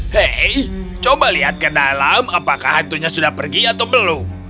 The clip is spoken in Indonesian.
hei coba lihat ke dalam apakah hantunya sudah pergi atau belum